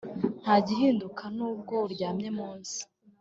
nta gihinduka nubwo uryamye munsi